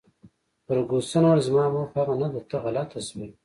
فرګوسن وویل: زما موخه هغه نه ده، ته غلطه شوې.